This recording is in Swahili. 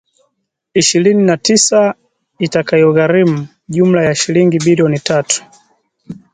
ishirini na tisa itakayogharimu jumla ya shilingi bilioni tatu